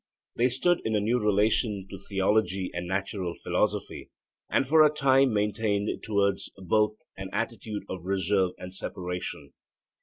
They stood in a new relation to theology and natural philosophy, and for a time maintained towards both an attitude of reserve and separation.